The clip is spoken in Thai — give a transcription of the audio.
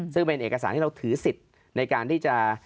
ซึ่งเป็นเอกสารที่เราถือสิทธิ์ในการที่จะ